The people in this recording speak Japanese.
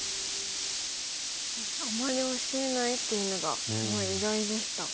あんまり教えないっていうのがすごい意外でした。